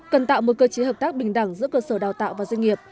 cần tạo một cơ chế hợp tác bình đẳng giữa cơ sở đào tạo và doanh nghiệp